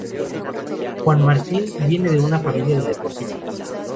Juan Martín viene de una familia de deportistas.